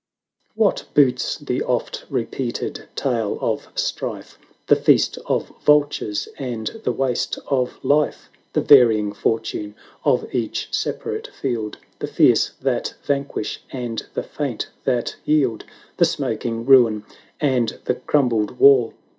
What boots the oft repeated tale of strife. The feast of vultures, and the waste of life? 910 The varying fortune of each separate field, The fierce that vanquish, and the faint that yield? The smoking ruin, and the crumbled wall?